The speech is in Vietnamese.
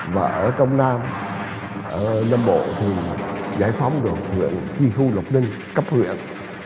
và ở trong nam ở nam bộ thì giải phóng được chi khu lục ninh cấp huyện